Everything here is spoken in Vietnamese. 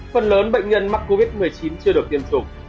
phần lớn bệnh nhân mắc covid một mươi chín chưa được tiêm chủng